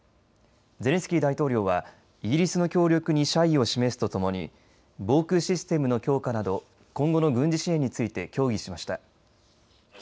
ゼレンスキー大統領はイギリスの協力に謝意を示すとともに防空システムの強化など今後の軍事支援について協議しました。